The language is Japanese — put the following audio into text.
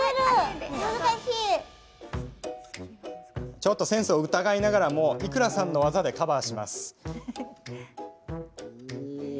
ちょっとセンスを疑いながらも伊倉さんの技でカバーします。